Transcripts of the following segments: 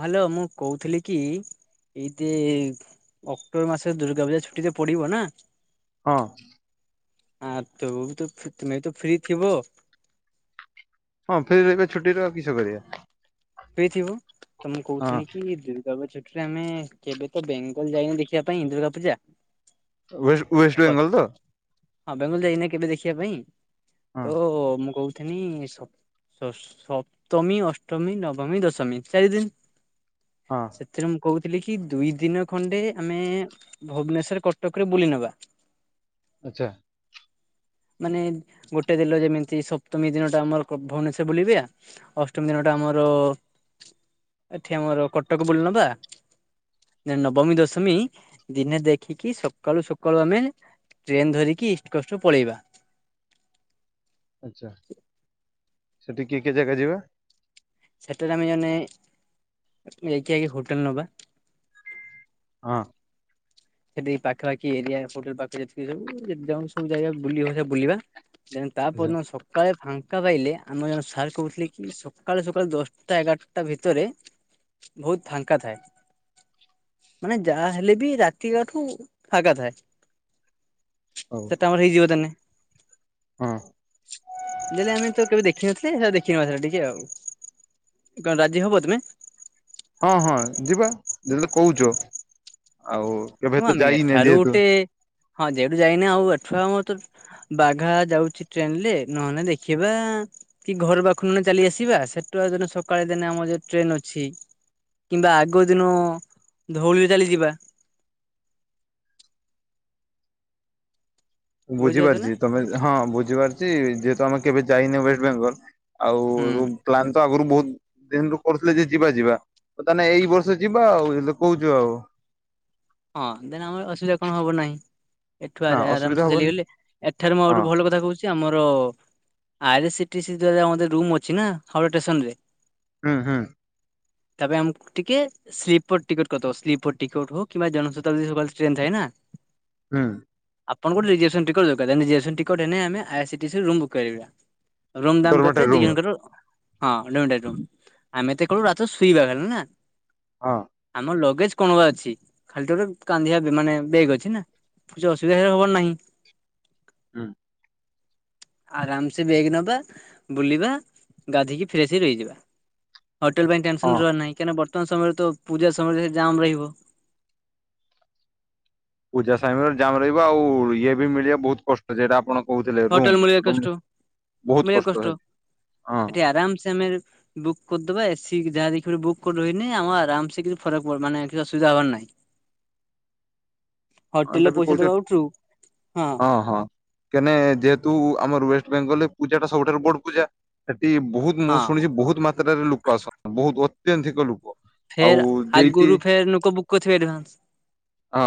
Hello ମୁଁ କହୁଥିଲି କି ଏଇ ଦେ ଅକ୍ଟୋବର ମାସରେ ଦୁର୍ଗା ପୂଜା ଛୁଟି ତ ପଡିବ ନା ହଁ। ଆଁ ତୁ ବି ତ ଥୁ ତୁମେ ତ ଫ୍ରି ଥିବ ହଁ ଫି ରହିବା ଛୁଟିରେ ଆଉ କିସ କରିବା ପି ଥିବ ତ ମୁଁ ହଁ କହୁଥିଲି କି ଦୁ ରବ ଛୁଟି ରେ ଆମେ କେବେ ତ ବେଙ୍ଗଲ ଯାଇନି ଦେଖିବା ପାଇଁ ଇ ଦୁର୍ଗା ପୂଜା ୱେ ୱେଷ୍ଟବେଙ୍ଗଲ ତ ହଁ ବେଙ୍ଗଲ ଯାଇନା କେବେ ଦେଖିବା ପାଇଁ ହଁ ତ ମୁଁ କହୁଚି ଥିନୀ ସ ସସ୍ ସପ୍ତମୀ ଅଷ୍ଟମୀ ନବ ବମୀ ଦଶମୀ ଚାରି ଦିନ। ହଁ। ସେଥିରେ ମୁଁ କହୁଥିଲି କି ଦୁଇ ଦିନ ଖଣ୍ଡେ ଆମେ ଭୁବନେଶ୍ୱର କଟକରେ ବୁଲି ନବା। ଆଛା। ମାନେ ଗୋଟେ ଦିନ ଯେମିତି ସପ୍ତମୀ ଦିନଟା ଆମର ଭୁ ଭୁବନେଶ୍ଵର ବୁଲିବି ଆ ଅଷ୍ଟମୀ ଦିନ ଟା ଆମର ଏଠି ଆମର କଟକ ବୁଲିନବା। ନେ ନବମୀ ଦଶମୀ ଦିନେ ଦେଖିକି ସକାଳୁ ସକାଳୁ ଆମେ ଟ୍ରେନ୍ ଧରିକି ଇଷ୍ଟ କଷ୍ଟରୁ ପଳେଇବା। ଆଛା। ସେଠି କିଏ କିଏ ଜାଗା ଯିବା? ସେଟାରେ ଆମେ ଜଣେ ନେଇକି ଆଗେ ହୋଟେଲ ନବା। ହଁ। ସେଠି ପାଖପାଖି ଏରିଆ ହୋଟେଲ ପାଖେରେ ଯେତିକି ସବୁ ଯେଉ ସବୁ ଜାଗା ବୁଲି ହବ ବୁଲିବା। ଜେନ ତାପର ଆଚ୍ଛା ଦିନ ସ ସକାଳେ ଫାଙ୍କା ପାଇଲେ ଆମର ଜଣେ ସାର୍ କହୁଥିଲେ କି ସକାଳେୁ ସକାଳୁ ଦଶଟା ଏଗାରଟା ଭିତରେ ଭୁହୁତ ଫାଙ୍କା ଥାଏ ମାନେ ଯାହା ହେଲେ ବି ରା ତି ବାଠୁ ଫାଗା ଥାଏ ହଉ ସେଟା ଆମର ହେଇଯିବ ତାନେ। ହଁ ଦେଲେ ଆମେ ତ କେବେ ଦେଖିନଥିଲେ ହେରା ଦେ କି ନଥିଲା ଟିକେ ଆଉ କଣ ରାଜି ହବ ତମେ? ହଁ ହଁ ଯିବା ଯଦି କହୁଚ ଆଉ କେବେ ହଁ ତ ଆମେ ଯାଇନେ ଏଠାରୁ ଯେହେତୁ। ଗୋଟେ ହଁ ଯେହେତୁ ଯାଇନେ ଆଉ ଏଠୁ ଆମର ତ ବାଘା ଯାଉଚି ଟ୍ରେନ ରେ ନହେନେ ଦେଖିବା କି ଘରୁ ପାଖୁରୁ ନହେଲେ ଚାଲି ଆସିବା ସେଟୁ ସକାଳେ ଦିନେ ଆମର ଜେହେତୁ ଟ୍ରେନ ଅଛି। କିମ୍ବା ଆଗ ଦିନ ଧଉଳିରେ ଚାଲିଯିବା। ବୁଝିପାରୁଛ ନା ବୁଝିପାରୁଚି ତମେ ହଁ ବୁଝିପାରୁଚି ଯେହେତୁ ଆମେ କେବେ ଯାଇନି ୱେଷ୍ଟବେଙ୍ଗଲ। ହୁଁ ଆଉ ପ୍ଲାାନ ତ ଆଗରୁ ବୋହୁତ ଦିନରୁୁ କରୁଥିଲେ ଯେ ଯିବା ଯିବା ହଁ ତାହେନେ ଏଇ ବର୍ଷ ଯିବା ଆଉ ହେଦୁ କହୁଚୁ ଆଉ। ହଁ ଦେନ୍ ଆମର ଅସୁବିଧା କଣ ହବ ନାଇ। ଏଠୁ ନା ଆରା ଆରାମ ଅସୁବିଧା ସେ ହବନି ଚାଲିଗଲେ ଏଠାରେ ମୁଁ ହଁ ଆହୁରି ଭଲ କଥା କହୁଚି ଚି ଆମର ଆରେସିଟିସ ଦ୍ଵାରା ମଧ୍ୟ ରୁମ ଅଛି ନା ହଡା ଷ୍ଟେସନ ରେ। ହୁଁ ହୁଁ। ତା ପାଇଁ ଆମକୁ ଟିକେ ସ୍ଲିପର ଟିକେଟ କରିଦବ ସ୍ଲିପର ଟିକେଟ ହଉ କିମ୍ବା ଜନ [unintelligible] ସକାଳେ ଟ୍ରେନ୍ ଥାଏ ନା। ହୁଁ। ଆପଣଙ୍କ ଠୁ ରିଯିଏସନ୍ ଟିକଟ ଦରକାର ଦେନ୍ ଜିଆସନ୍ ଟିକଟ ଏନେ ଆମେ ଆଏ ସିଟିସରେ ରୁମ ବୁକ୍ କରିବା। ରୁମ ଦାମ କେତେ ଡରମାଟୋରି ଦି ରୁମ୍ ଜଣଙ୍କ ହଁ ଅଧ ଘଣ୍ଟେ ଆଇଟମ ଆମେ ତ କେବଳ ରାତିରେ ଶୁଇବା ଖାଲି ନା। ହଁ। ଆମ ଲଗେଜ କଣ ବା ଅଛି? ଖାଲିତ ଏବେ କାନ୍ଧିବା ମାନେ ବେଗ୍ ଅଛି ନା କିଛି ଅସୁବିଧା ହେ ହବାର ନାହିଁ। ହୁଁ। ଆରାମସ ବେଗ ନବା ବୁଲିବା ଗାଧୋଇକି ଫ୍ରସଇ ରହିଯିବା। ହୋଟେଲ ପାଇଁ ଟେନସନ ହଁ ରହ ନାହିଁ କାଁଇ ବର୍ତମାନ ସମୟରେ ତ ପୂଜା ସମୟରେ ଜାମ୍ ରହିବ। ପୂଜା ସମୟରେ ଜାମ ରହିବ ଆଉ ଇଏ ବି ମିଳିବା ବହୁତ କଷ୍ଟ ସେଟା ଆପଣ କହୁଥିଲେ ରୁମ ହୋଟେଲ ମିଳିବା ରୁମ କଷ୍ଟ ବହୁତ ମିଳିବା ହେ କଷ୍ଟ ହଁ ଏଠି ଆରାମ ସେ ଆମେ ବୁକ୍ କରିଦବା ଏସିି ଯାହା ଦେଖି ବୁକ୍ କରି ରହନି ଆମ ଆରାମସେ କିଛି ଫରକ ପଡ ମେ କିଛି ଅସୁିଧା ହବାର ନାହିଁ। [unintelligible] ହୋଟେଲରେ ପଇସା କହୁଛ ଦବା ଟ୍ରୁ ହଁ ହଁ। କେନେ ଯେହେତୁ ଆମର ୱେଷ୍ଟ ବେଙ୍ଗଲରେ ପୂଜା ଟା ସବୁଠାରୁ ବଡ ପୂଜା ସେଠି ବହୁତ ମୁଁ ହଁ ଶୁଣିଛି ବହୁତ ମାତ୍ରାରେ ଲୋକ ଆସନ୍ତି ବହୁତ ଅତ୍ୟଧିକ ଲୋକ ଆଉ ଫେର ଯେଇଠି ଆଗରୁ ଫେର ଲୋକ ବୁକ୍ କରିଥିବେ [inaudible] ହଁ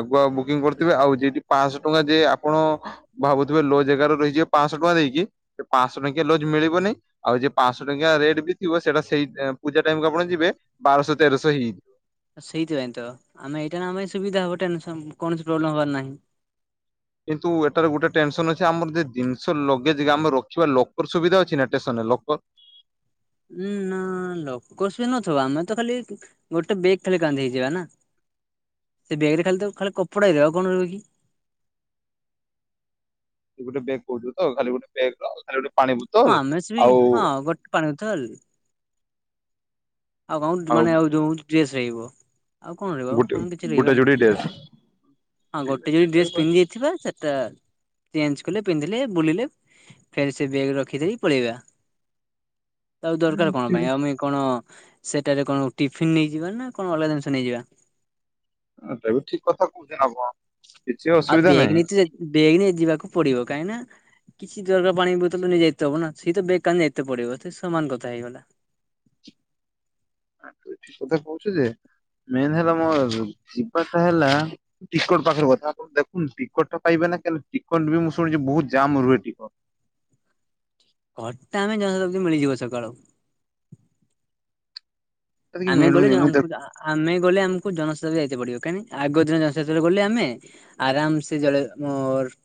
ଆଗୁଆ ବୁକିଂ କରିଥିବେ ଆଉ ଯଠି ପାଞ୍ଚଶହ ଟଙ୍କା ଯେ ଆପଣ ଭାବୁଥିବେ ଲୋଜ ଜେଗାରେ ରହିଯିବେ ପାଞ୍ଚଶହ ଟଙ୍କା ଦେଇକି ପାଞ୍ଚଶହ ଟଙ୍କିଆ ଲୋଜ ମିଳିବନି। ଆଉ ଯିଏ ପାଞ୍ଚଶହ ଟଙ୍କିଆ ରେଟ୍ ବି ଥିବ ସେଇଟା ସେଇ ପୂଜା ଟାଇମ କୁ ଆପଣ ଯିବେ ବାରଶହ ତେରଶହ ହେଇ ସେଇଥିପାଇଁ ତ ଆମେ ଏଇଟା ନା ଆମ ପାଇଁ ସୁବିଧା ହବ ଟେନସନ କୌଣସି ପ୍ରୋବ୍ଲେମ ହବାର ନାହିଁ। କିନ୍ତୁ ଏଟାରେ ଗୋଟେ ଟେନସନ ଅଛି ଆମର ଜିନିଷ ଲଗେଜ ଆମେ ରଖିବା ଲକର ସୁବିଧା ଅଛି ନା ଷ୍ଟେସନରେ ଲକର? ଉଁ ନା ଲକସେ ନଥିବ ଆମେ ତ ଖାଲି ଗୋଟେ ବେଗ୍ ଖାଲି କାନ୍ଧେଇ ଯିବା ନା ସେ ବ୍ୟାଗ ରେ ଖାଲି ତ ଖାଲି କପଡା କଣ ରହିବ କି? ଗୋଟେ ବେଗ୍ କହୁଛୁ ତ ଖାଲି ଗୋଟେ ବେଗ ର ଖାଲି ଗୋଟେ ପାଣି ହଁ ବୋତଲ ଆମେ ସେ ବି ଆଉ ହଁ ଗୋଟେ ପାଣି ବୋତଲ ଆଉ କଣ [unintelligible] ମାନେ ଆଉ ଯଉ ଡ୍ରେସ ରହିବ। ଆଉ କଣ ରହିବ ଆଉ ଗୋଟେ କଣ କିଛି ଗୋଟେ ରହିବାର ଯୋଡି ଡ୍ରେସ ନାଇଁ ହଁ ଗୋଟେ ଯଦି ଡ୍ରେସ ପିନ୍ଧି ଥିବା ସେଟା ଚେଞ୍ଜ କଲେ ପିନ୍ଧିଲେ ବୁଲିଲେ ଫେର ସେ ବେଗ ରଖିଦେଇ ପଳେଇବା ଆଉ ଦରକାର କଣ ପାଇଁ ଆମେ କଣ ସେଟାରେ କଣ ଟିଫିନ ନେଇଯିବା ନା କଣ ଅଲଗା ଜିନିଷ ନେଇଯିଵା? ଏ ଟା ବି ଠିକ କଥା କହୁଛନ୍ତି ଆଉ କଣ ଆଉ ବେଗ୍ ତ ବେଗ୍ ଯିବାକୁ ପଡିବ କାଇହିଁକି ନା କିଛି ଦରକାର ପାଣି ବୋତଲ ନେଇଯାଇ ଥିବ ନା ସେଇ ତ ବେଗ କାନେଇତେ ପଡିବ ସେ ସମାନ କଥା ହେଇଗଲା। ତୁ ଠିକ କଥା କହୁଛୁ ଯେ ମେନ୍ ହେଲା ମୋର ଯିବା ଟା ହେଲା ଟିକଟ ପାଖରେ କଥା ଆପଣ ଦେଖନ୍ତୁ ଟିକଟ ଟା ପାଇବେ ନା କା ଟିକଟ ବି ମୁଁ ଶୁଣିଛି ବହୁତ ଜା ରୁହେ ଟିକଟ। କଟା ଆମେ [unintelligible] ମିଳିଯିବ ସକାଳୁ। କି ଆମେ ଗଲେ ମିଳୁନି ମୁଁ ଦେଖ ଜଣଙ୍କୁ ଆମେ ଗଲେ ଆମକୁ ଜନସାଚତ ଯାଇତେ ପଡିବ କାହିଁକିନା ଆଗ ଦିନ ଜନସାଷରେ ଗଲେ ଆମେ ଆରାମ ସେ ଜଳ ମୋର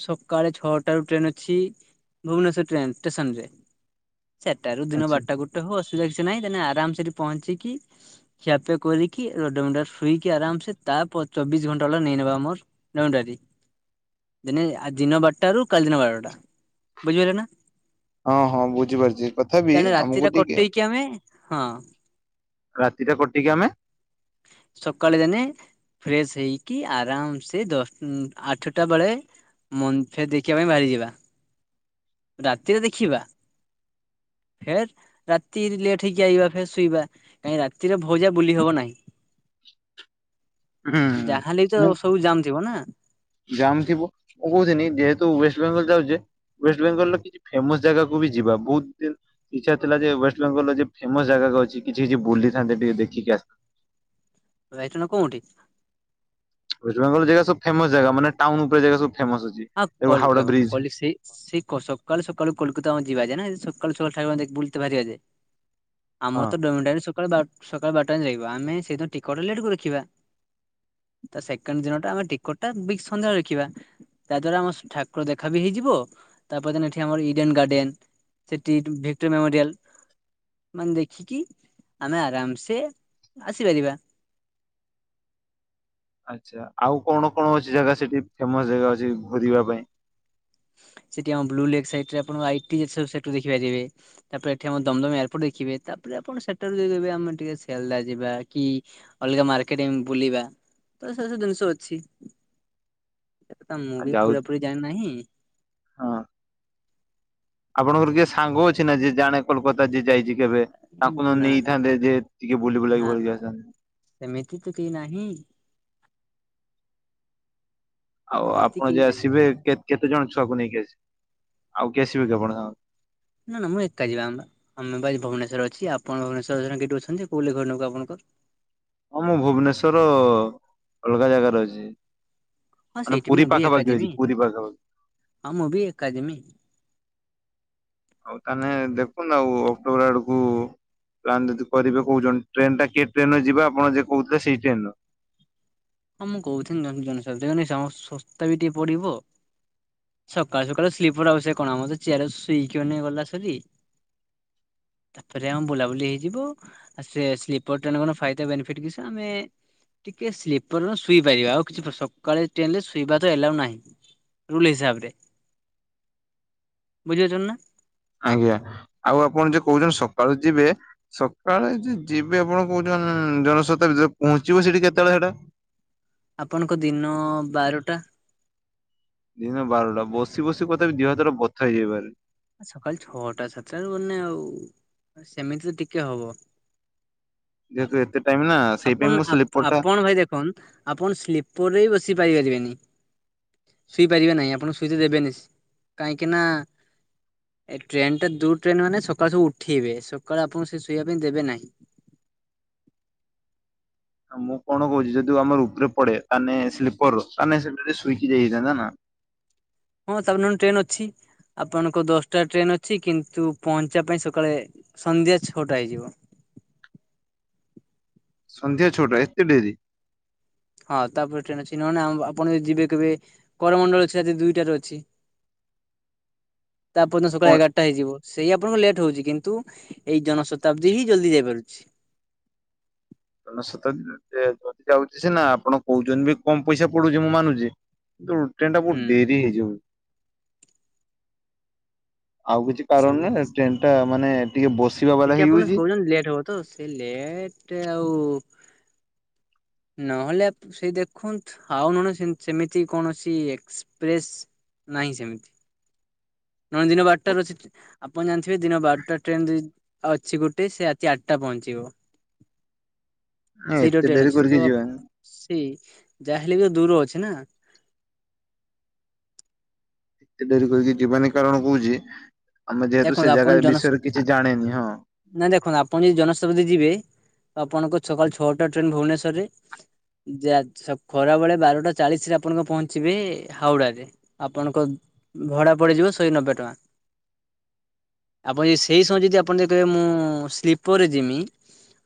ଉ ସକାଳେ ଛଅଟା ରୁ ଟ୍ରେନ ଅଛି ଭୁବନେଶ୍ୱର ଟ୍ରେନ ଷ୍ଟେସନ ରେ।। ଚାର ଟାରୁ ଦିନ ଆଛା। ବାରଟା ଗୋଟେ ହଉ ଅସୁବିଧା କିଛି ନାହିଁ ଦେନେ ଆରାମସରେ ପହଞ୍ଚିକି ଖିଆପିଆ କରିକି ଗୋଟେ ରୁମରେ ଶୋଇକି ଆରାମସ ତାପ ଚବିଶ ଘଣ୍ଟା ହେଲା ନେଇ ନେବା ଆମର ଡୋଟୋୟେରୀ। ଦିନେ ଦିନ ବାରଟାରୁ କାଲି ଦିନ ବାରଟା ବୁଝିପାରିଲେ ନା? ହଁ ହଁ ବୁଝିପାରୁଛି ତଥାପି ବି ଆମକୁ ଟିକେ କି ଆମେ ହଁ। ରାତିଟା କଟିକି ଆମେ ସଖାଳେ ଜାନେ ଫ୍ରେଶ ହେଇକି ଆରାମ ସେ ଦଶ ଆଠଟା ବେଳେ ମନ ଫେ ଦେଖିବା ପାଇଁ ବାହାରି ଯିବା। ରାତିରେ ଦେଖିବା। ଫେର୍ ରାତି ଲେଟ୍ ହେଇକି ଆଇବା ଫର ଶୋଇବା। କାହିଁ ରାତିରେ ଭଉଜା ବୁଲି ହବ ନାହିଁ। ହୁଁ ଯାହାହେଲେ ତ ସବୁ ଜାମ ଥିବ ନା। ଜାମ୍ ଥିବ ମୁଁ କହୁଥିଲିନି ଯେହେତୁ ୱେଷ୍ଟ ବେଙ୍ଗଲ ଯାଉଛେ ୱେଷ୍ଟବେଙ୍ଗଲର କିଛି ଫେମସ ଜାଗାକୁ ବି ଯିବା ବହୁତ ଦିନ୍ ଇଚ୍ଛା ଥିଲା ଯେ ୱେଷ୍ଟବେଙ୍ଗଲର ଯେ ଫେମସ ଜାଗା ଅଛି କିଛି କିଛି ବୁଲିଥାନ୍ତେ ଟିକେ ଦେଖି ଆସ୍ [unintelligible] କୋଉଠି? ୱେଷ୍ଟବେଙ୍ଗଲରେ ଜାଗା ସବ ଫେମସ ଜାଗା ମାନେ ଟାଉନ ଉପରେ ଜାଗା ସବୁ ଫେମସ ଅଛି। ଆଉ କ ଏବଂ ହାଉଡା ବ୍ରିଜ [unintelligible] ସେଇ ସେ କ ସକାଳୁ ସକାଳୁ କୋଲକତା ଆମେ ଯିବା ଯାଏନା ସେ ସକାଳୁ ସକାଳୁ ଠାକୁ ବୁଲତେ ବାହାରିବା ଯେ ଆମର ହଁ। ତ ଡୋମିଟ ସକାଳ ବାର ସକାଳ ବାରଟାରେ ଲାଗିବ ଆମେ ସେଇଦିନ ଟିକଟ ଲେଟ୍ କରି ରଖିବା। ତା ସେକେଣ୍ଡ ଦିନଟା ଆମେ ଟିକେଟ ଟା ବି ସନ୍ଧ୍ୟା ଦେଖିବା। ତା ଦ୍ଵାରା ଆମ ସ ଠାକୁର ଦେଖା ବି ହେଇଯିବ ତାପର ଦିନ ଏଠି ଆମର ଇଡେନ ଗାର୍ଡେନ ସେଠି ଭିକ୍ଟୋର ମେମୋରିଆଲ ମାନେ ଦେଖିକି ଆମେ ଆରାମସେ ଆସିପାରିବା। ଆଛା ଆଉ କଣ କଣ ଅଛି ଜାଗା ସେଠି ଫେମସ ଜାଗା ଅଛି ଘୁରିବା ପାଇଁ? ସେଠି ଆମ ବ୍ଲୁଲେଗ୍ ସାଇଟ ରେ ଆପଣ ଆଇଟି [unintelligible] ସେଟି ଦେଖି ପାରିବେ। ତାପରେ ଏଠି ଆମ ଦମଦମ ଏୟାରପୋର୍ଟ ଦେଖିବେ ତାପରେ ଆପଣ ସେଠାରୁ ଯେ ଆମେ ଟିକେ ସେଲଦା ଯିବା କି ଅଲଗା ମାର୍କେଟ ବୁଲିବା ତ ସେ ସବୁ ଜିନିଷ ଅଛି। ଏଟା ମୁଁ ଆ ବି ଯାଉ ପୁରାପୁରି ଜାଣିନାହିଁ। ହଁ। ଆପଣଙ୍କର କିଏ ସାଙ୍ଗ ଅଛି ନା ଯେ ଜାଣେ କୋଲକାତା ଯିଏ ଯାଇଛି କେବେ? ତାକୁ ନ ନା ନା ନେଇଥାନ୍ତେ ଯେ ଟିକେ ନା ବୁଲିବୁଲାକି ନା ଭଲକି ଆସିଥାନ୍ତି। ସେମିତି ତ କେହି ନାହିଁ। ଆଉ ସେମିତି ଆପଣ କେହି ଯେ ନାହିଁ। ଆସିବେ କେ କେତେ ଜଣ ଛୁଆକୁ ନେଇକି ଆସିବେ ଆଉ କିଏ ଆସିବେ କି ଆପଣଙ୍କ ସାଙ୍ଗର? ନା ନା ମୁଁ ଏକା ଯିବା ଆମ ଆମେ ବା ଭୁବନେଶ୍ୱର ଅଛି ଆପଣ ଭୁବନେଶ୍ୱର କ କେଠୀ ଅଛନ୍ତି କୋଉଠି ଘର ଆପଣଙ୍କର? ହଁ ମୁଁ ଭୁବନେଶ୍ଵର ଅଲଗା ଜାଗାରେ ଅଛି। ହଁ ମାନେ ସେଇଠି ମୁଁ ପୁରୀ ବି ପାଖା ଏକା ପାଖି ଯିମି ଅଛି ପୁରୀ ପାଖାପାଖି। ହଁ ମୁଁ ବି ଏକାଜିମି। ହଉ ତାହେନେ ଦେଖନ୍ତୁ ଆଉ ଅକ୍ଟୋବର ଆଡକୁ ପ୍ଲାନ୍ ଯଦି କରିବେ କହୁଛନ୍ତି ଟ୍ରେନଟା କିଏ ଟ୍ରେନରେ ଯିବା ଆପଣ ଯେ କହୁଥିଲେ ସେଇ ଟ୍ରେନରେ। ହଁ ମୁଁ କହୁଥିଲି ଜ-ଜନ ସମ ଶସ୍ତା ବି ଟିକେ ପଡିବ। ସକାଳୁ ସକାଳୁ ସ୍ଲିପର ଆଉ ସେ କଣମର ତ ଚେୟାର ଶୋଇକିନ ଗଲା ସରି। ତାପରେ ଆମ ବୁଲାବୁଲି ହେଇଯିବ। ଆ ସେ ସ୍ଲିପର ଟେନରେ ଗଲେ ଫାଇଦା ବେନିଫିଟ କିଛି ଆମେ ଟିକେ ସ୍ଲିପର୍ [unintelligible] ଶୁଇପାରିବା ଆଉ କିଛି ସକାଳେ ଟ୍ରେନ ରେ ଶୋଇବା ତ ଏଲାଓ ନାହିଁ। ରୁଲ ହିସାବରେ ବୁଝିପାରୁଛନ୍ତି ନା। ଆଜ୍ଞା ଆଉ ଆପଣ ଯେ କହୁଛନ୍ତି ସକାଳୁ ଯିବେ। ସକାଳେ ଯ ଯିବେ ଆପଣ କୋହୁଛନ୍ତି ଜନସତାଦିରେ ପହଞ୍ଚିବ ସେଠି କେତେବେଳେ ହେଟା? ଆପଣଙ୍କ ଦିନ ବାରଟା। ଦିନ ବାରଟା ବସି ବସି କଥାପି ଦିହଥର ବଥା ହେଇଯିବ ଭାରି। ସକାଳ ଛଅଟା ସାତଟାରୁ ମାନେ ଆଉ ସେମିତି ତ ଟିକେ ହବ। ଯେହେତୁ ଏତେ ଟାଇମ ନା ସେଇ ପାଇଁ ମୁଁ ଆପଣ ସ୍ଲିପର ଟା ଆପଣ ଭାଇ ଦେଖନ୍। ଆପଣ ସ୍ଲିପରରେ ବି ବସିପାଇ ପାରିବେନି। ଶୋଇପାରିବେ ନାହିଁ ଆପଣ ଶୋଇତେ ଦେବେନି କାହିଁକିନା ଏ ଟ୍ରେନଟା ଦୁଇ ଟ୍ରେନ ମାନେ ସକାଳୁ ସବୁ ଉଠେଇବେ ସକାଳୁ ଆପଣଙ୍କୁ ସେ ଶୋଇବା ପାଇଁ ଦେବେ ନାହିଁ। ମୁଁ କଣ କହୁଛି ଯଦି ଆମର ଉପରେ ପଡେ ତାହେ ସ୍ଲିପର ର ତାହେ ସେ ଶୁଇକି ଯାଇ ହେଇଥାନ୍ତା ନା। ହଁ ତାପରେ ନହେଲେ ଟ୍ରେନ୍ ଅଛି। ଆପଣଙ୍କ ଦଶଟା ଟ୍ରେନ ଅଛି କିନ୍ତୁ ପହଞ୍ଚିବା ପାଇଁ ସକାଳେ ସନ୍ଧ୍ୟା ଛଅଟା ହେଇଯିବ। ସନ୍ଧ୍ୟା ଛଅଟା ଏତେ ଡେରି। ହଁ ତାପରେ ଟ୍ରେନ୍ ଅଛି ନହେନେ ଆପଣ ଯଦି ଯିବେ କେବେ କରମଣ୍ଡଳ ଅଛି ରାତି ଦୁଇଟାରେ ଅଛି। [inaudible] ତାପରଦିନ ପ ସକାଳ ଏଗାରଟା ହେଇଯିବ ସେଇ ଆପଣଙ୍କୁ ଲେଟ୍ ହଉଛି କିନ୍ତୁ ଏଇ ଜନ ଶତାବ୍ଦୀ ହି ଜଲ୍ଦି ଯାଇପାରୁଛି। ଜନସତାବ୍ଦି ଯଦି ଯାଉଛି ସିନା ଆପଣ କହୁଛନ୍ତି ବି କମ ପଇସା ପଡୁଛି ମୁଁ ମାନୁଛି। କିନ୍ତୁ ଟ୍ରେନ ଟା ହୁଁ ବହୁତ ଡେରି ହେଇଯିବ। ଆଉ କିଛି କାରଣ ସେମିତି ନା ଟ୍ରେନ ଟା ମାନେ ଟିକେ ବସି ଟିକେ ଆପଣ କହୁଛନ୍ତି ଲେଟ୍ ହବ ତ ସେ ଲେଟ୍ ଆଉ ନହେଲେ ସେଇ ଦେଖନ୍ତୁ ଆଉ ନହେନେ ସେମିତି କୌଣସି ଏକ୍ସପ୍ରେସ୍। ନାହିଁ ସେମିତି ନହେନେ ଦିନ ବାରଟାରେ ଅଛି। ଆପଣ ଜାଣିଥିବେ ଦିନ ବାରଟା ଟ୍ରେନ ଯ ଅଛି ଗୋଟେ ସେ ରାତି ଆଠଟା ପହଞ୍ଚିବ। ସେଇଟା ଏତେ ଟ୍ରେନ ଡେରି ଅଛି କରିକି ତ ଯିବା। ସେଇ ଯାହା ହେଲେ ବି ତ ଦୂର ଅଛି ନା। ଏତେ ଡେରି କରିକି ଯିବନି କାରଣ କହୁଛି ଆମେ ଯେହେତୁ ଦେଖନ୍ତୁ ସେ ଆପଣ ଜାଗା ଜନ ବିଷୟରେ କିଛି ଜାଣେନି ହଁ। ନା ଦେଖନ୍ତୁ ଆପଣ ଯଦି ଜନସପତି ଯିବେ ଆପଣଙ୍କ ସକାଳ ଛଅଟା ଟ୍ରେନ ଭୁବନେଶ୍ଵରରେ। ଯେ ଖରାବେଳେ ବାରଟା ଚାଳିଶରେ ଆପଣଙ୍କ ପହଞ୍ଚିବେ ହାଉଡାରେ। ଆପଣଙ୍କ ଭଡ଼ା ପଡ଼ିଯିବ ଶହେ ନବେ ଟଙ୍କା। ଆପଣ ଯି ସେଇ ସମୟ ଯଦି ଆପଣ ଯ କହିବେ ମୁଁ ସ୍ଲିପରରେ ଯିମି।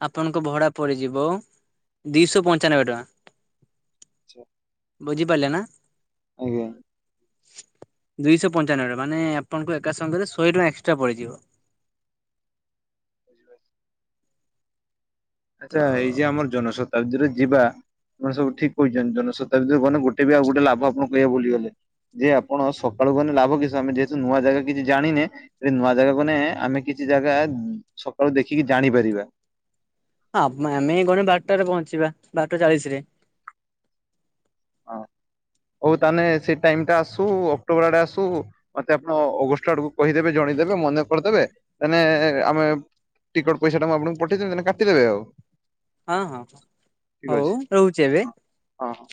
ଆପଣଙ୍କ ଭଡା ପଡିଯିବ ଦିଶହ ପଞ୍ଚାନବେ ଟଙ୍କା। ଛ [unintelligible] ବୁଝିପାରିଲେ ନା। ଆଜ୍ଞା। ଦୁଇଶହ ପଞ୍ଚାନବେ ଟଙ୍କା ମାନେ ଆପଣଙ୍କୁ ଏକାସଙ୍ଗରେ ଶହେ ଟଙ୍କା ଏକ୍ସଟ୍ରା ପଡିଯିବ। ବୁଝିଲ [unintelligible] ତ ଆଚ୍ଛା ଏଇ ଯେ ଆମର ଜନଶତାବ୍ଦୀରେ ଯିବା ମେ ସବୁ ଠିକ କହିଛନ୍ତି। ଜନଶତାଦ୍ଧୀ ଗୋଟେ ବି ଆଉ ଗୋଟେ ଲାଭ ଆପଣ କହିବା ବୋଲି ଭୁଲି ଗଲେ। ଯେ ଆପଣ ସକାଳୁ ଗହଲେେ ଲାଭ କିସୁ ଆମେ ଯେହେତୁ ନୂଆ ଜାଗା କିଛି ଜାଣିନେ ଏ ନୂଆ ଜାଗାକୁ ନେଇେ ଆମେ କିଛି ଜାଗା ସକାଳୁ ଦେଖିକି ଜାଣିପାରିବା। ହଁ, ଆମେ ଗଣେ ବାରଟାରେ ପହଞ୍ଚିବା ବାରଟା ଚାଳିଶ ରେ। ହଁ, ହଉ ତାହାଲେ ସେ ଟାଇମ ଟା ଆସୁ ଅକ୍ଟୋବର ଆଡେ ଆସୁ ମତେ ଆପଣ ଅଗଷ୍ଟ ଆଡକୁ କହିଦେବେ ଜଣେଇଦେବେ ମନେ କରିଦେବେ ତାେ ଆମେ ଟିକଟ ପଇସା ଆପଙ୍କୁ ପଠେଇି ନା କାଟିଦବେ ଆଉ। ହଁ ଠିକ୍ ଅଛି ହଉ ରହୁଛି ଏବେ। ହଁ। ହଁ।